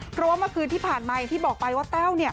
กรมคืนที่ผ่านใหม่ที่บอกไปว่าแต้ว